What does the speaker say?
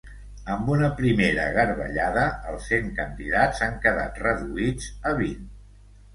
Amb una primera garbellada els cent candidats han quedat reduïts a vint.